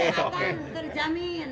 harga harga mu kerjamin